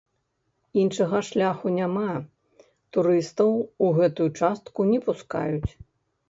Іншага шляху няма, турыстаў у гэтую частку не пускаюць.